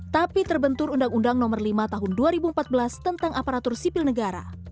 tapi terbentur undang undang nomor lima tahun dua ribu empat belas tentang aparatur sipil negara